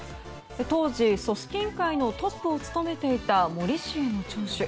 当時、組織委員会のトップを務めていた森氏への聴取。